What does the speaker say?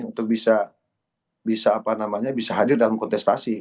untuk bisa hadir dalam kontestasi